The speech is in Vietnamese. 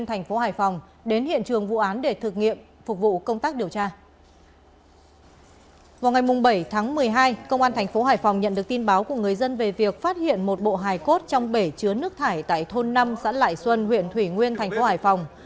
vào ngày bảy tháng một mươi hai công an thành phố hải phòng nhận được tin báo của người dân về việc phát hiện một bộ hài cốt trong bể chứa nước thải tại thôn năm sãn lại xuân huyện thủy nguyên thành phố hải phòng